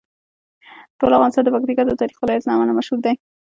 ټول افغانستان د پکتیکا د تاریخي ولایت له امله مشهور دی.